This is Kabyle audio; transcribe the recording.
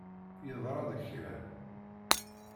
Yeḍṛa-d kra.